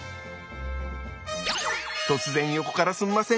突然横からすんません。